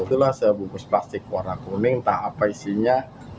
itulah sebungkus plastik warna kuning entah apa isinya